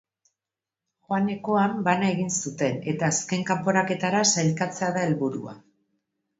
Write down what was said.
Joanekoan bana egin zuten, eta azken kanporaketara sailkatzea da helburua.